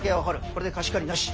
これで貸し借りなし。